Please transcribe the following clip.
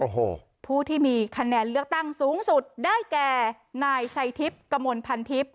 โอ้โหผู้ที่มีคะแนนเลือกตั้งสูงสุดได้แก่นายชัยทิพย์กระมวลพันทิพย์